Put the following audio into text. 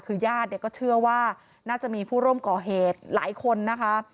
คือญาติเนี่ยก็เชื่อว่าน่าจะมีผู้ร่วมก่อเหตุหลายคนนะคะ